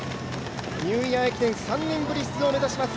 ニューイヤー駅伝３年ぶりの出場を目指します